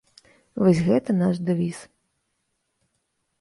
Вось гэта наш дэвіз.